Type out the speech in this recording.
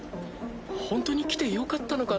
ほんとに来てよかったのかな？